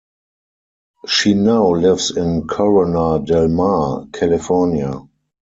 She now lives in Corona Del Mar, California.